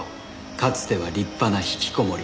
かつては立派な引きこもり。